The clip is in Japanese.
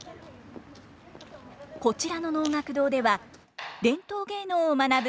こちらの能楽堂では伝統芸能を学ぶ